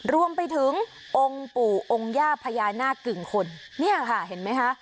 รวมไปถึงองค์ปู่องค์ย่าพญานาคกึ่งคนเนี่ยค่ะเห็นไหมคะ